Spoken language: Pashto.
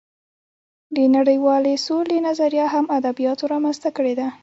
د نړۍوالې سولې نظریه هم ادبیاتو رامنځته کړې ده